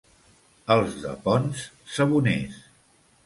Els de Ponts, saboners.